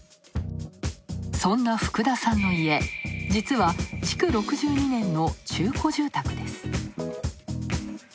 そんな福田さんの家、実は築６２年の中古住宅です。